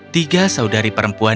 tiga saudari perempuan